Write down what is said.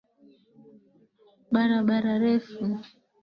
Barabara refu.